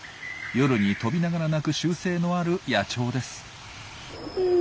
夜に飛びながら鳴く習性のある野鳥です。